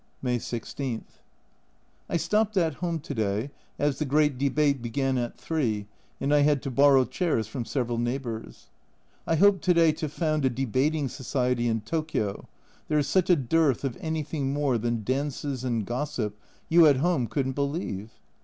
May 16. I stopped at home to day as the great Debate began at 3, and I had to borrow chairs from several neighbours. I hope to day to found a Debating Society in Tokio (there is such a dearth of anything more than dances and gossip, you at home couldn't believe